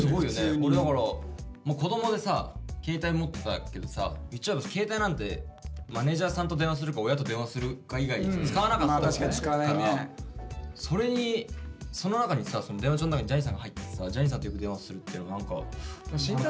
オレだから子供で携帯持ってたけどさ言っちゃえば携帯なんてマネージャーさんと電話するか親と電話するか以外に使わなかったからそれにその中にさ電話帳の中にジャニーさんが入っててさジャニーさんとよく電話するってのは何か。